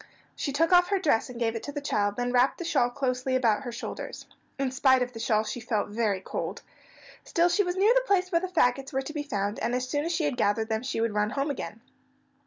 She took off her dress and gave it to the child, and then wrapped the shawl closely about her shoulders. In spite of the shawl she felt very cold. Still she was near the place where the fagots were to be found, and as soon as she had gathered them she would run home again.